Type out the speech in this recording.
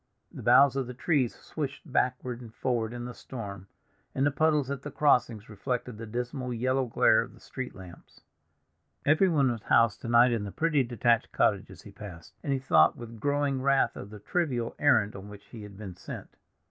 The boughs of the trees swished backward and forward in the storm, and the puddles at the crossings reflected the dismal yellow glare of the street lamps. Everyone was housed to night in the pretty detached cottages he passed, and he thought with growing wrath of the trivial errand on which he had been sent.